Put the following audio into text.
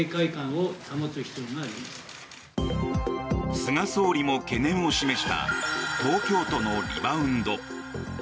菅総理も懸念を示した東京都のリバウンド。